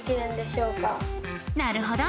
なるほど！